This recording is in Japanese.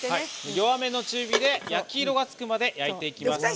弱めの中火で焼き色がつくまで焼いていきます。